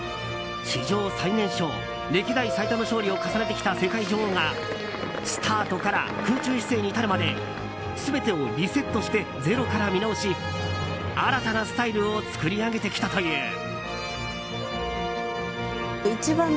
史上最年少、歴代最多の勝利を重ねてきた世界女王がスタートから空中姿勢に至るまで全てをリセットしてゼロから見直し新たなスタイルを作り上げてきたという。